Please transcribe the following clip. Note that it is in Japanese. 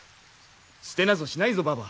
捨てなぞしないぞばば。